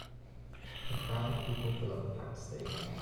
A crowd of people fill up a packed stadium.